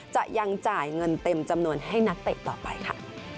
จะยังจ่ายเงินเต็มจำนวนให้นักเตะต่อไปค่ะ